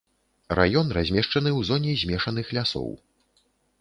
Раён размешчаны ў зоне змешаных лясоў.